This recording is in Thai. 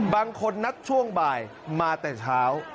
บางคนนัดช่วงบ่ายมาแต่เช้า